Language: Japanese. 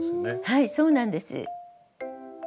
はいそうなんです。